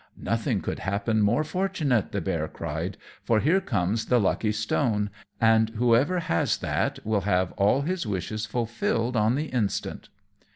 "Nothing could happen more fortunate," the Bear cried, "for here comes the lucky stone, and whoever has that will have all his wishes fulfilled on the instant."